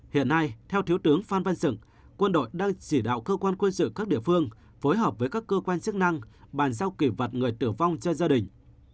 hiện nay theo thiếu tướng phan văn sự quân đội đang chỉ đạo cơ quan quân sự các địa phương phối hợp với các cơ quan chức năng bàn giao kỷ vật người tử vong cho gia đình